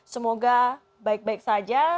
semoga baik baik saja